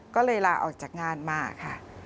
ก็เลยลาออกจากงานมาค่ะ